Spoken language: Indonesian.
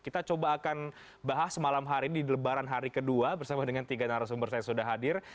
kita coba akan bahas semalam hari ini di lebaran hari kedua bersama dengan tiga narasumber saya sudah hadir